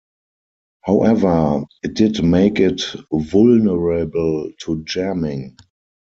However, it did make it vulnerable to jamming.